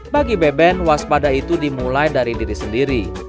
bagi beben waspada itu dimulai dari diri sendiri